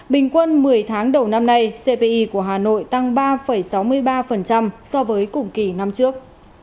bình quân một mươi tháng đầu năm nay cpi của hà nội tăng ba sáu mươi ba so với cùng kỳ năm trước